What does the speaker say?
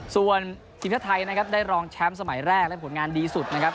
ส่วนทีมชาติไทยนะครับได้รองแชมป์สมัยแรกและผลงานดีสุดนะครับ